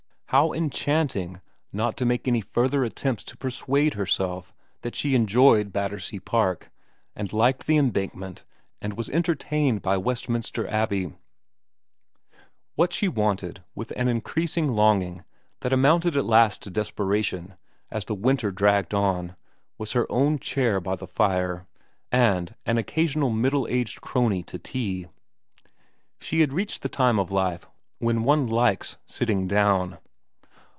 How enchanting not to make any further attempts to persuade herself that she enjoyed Battersea Park, and liked the Embankment, and was entertained by Westminster Abbey. What she wanted with an increasing longing that amounted at last to desperation as the winter dragged on, was her own chair by the fire and an occasional middle aged crony to tea. She had reached the time of life when one likes sitting down.